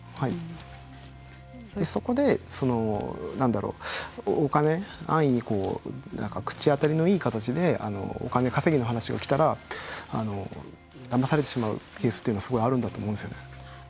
そこで安易に口当たりのいい形でお金稼ぎの話が来たらだまされてしまうケースはすごいあるんだと思うんですよね。